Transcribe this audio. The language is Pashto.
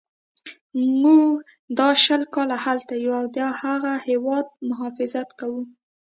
موږ دا شل کاله هلته یو او د هغه هیواد مخافظت کوو.